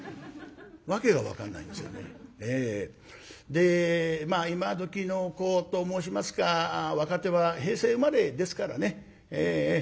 でまあ今どきの子と申しますか若手は平成生まれですからねええええ